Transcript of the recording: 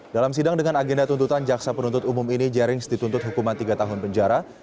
dalam sidang dengan agenda tuntutan jaksa penuntut umum ini jerings dituntut hukuman tiga tahun penjara